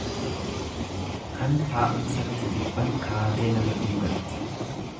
Kan taa'umsatti jibban kaatee nama dhungatti.